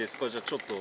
ちょっと。